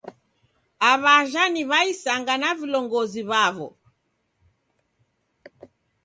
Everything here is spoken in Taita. Aw'ajha ni w'aisanga na vilongozi vaw'o